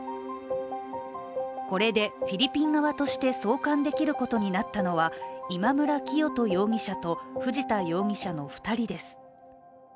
これでフィリピン側として送還できることになったのは今村磨人容疑者と藤田容疑者の２人です。